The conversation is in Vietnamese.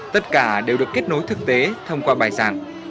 tất cả đều được kết nối thực tế thông qua bài giảng